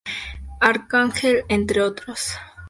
Arcángel, entre otros.